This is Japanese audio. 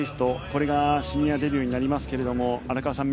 これがシニアデビューになりますけれども荒川さん